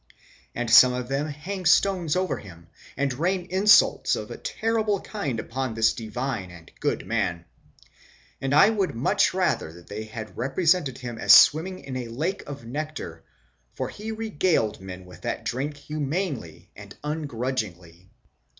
And some.of them hang stones. upon him, and rain insults of a terrible kind upon this divine and good man; and I would much rather that they had represented him as swimming in a lake of nectar, for he pledged) men in: that drink humanely» and ungrudgingly."